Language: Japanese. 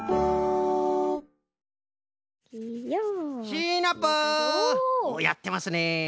シナプーおっやってますねえ。